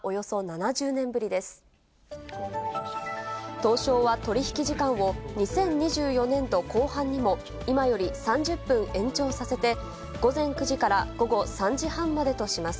東証は、取り引き時間を２０２４年度後半にも、今より３０分延長させて、午前９時から午後３時半までとします。